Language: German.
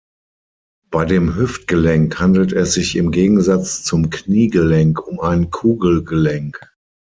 Bei dem Hüftgelenk handelt es sich im Gegensatz zum Kniegelenk um ein Kugelgelenk.